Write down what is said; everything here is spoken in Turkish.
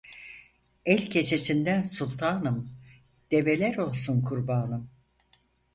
El kesesinden sultanım, develer olsun kurbanım.